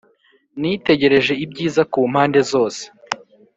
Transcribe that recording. Nitegereje ibyiza ku mpande zose